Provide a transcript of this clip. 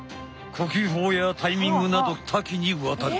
呼吸法やタイミングなど多岐にわたる。